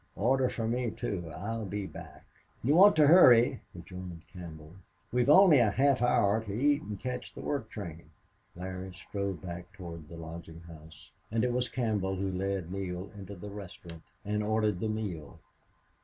"Order for me, too. I'll be back." "You want to hurry," rejoined Campbell. "We've only a half hour to eat an' catch the work train." Larry strode back toward the lodging house. And it was Campbell who led Neale into the restaurant and ordered the meal.